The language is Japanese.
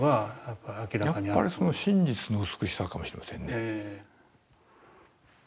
やっぱりその真実の美しさかもしれませんね。